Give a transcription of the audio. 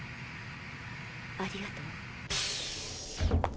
ありがとう。